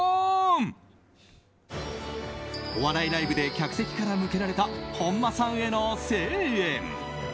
お笑いライブで客席から向けられた本間さんへの声援。